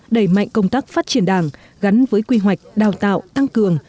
đẩy mạnh công tác phát triển đảng gắn với quy hoạch đào tạo tăng cường